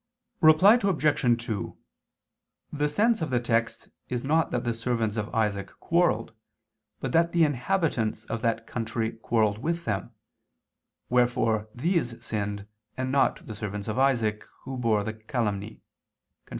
Reply Obj. 1: The sense of the text is not that the servants of Isaac quarrelled, but that the inhabitants of that country quarrelled with them: wherefore these sinned, and not the servants of Isaac, who bore the calumny [*Cf.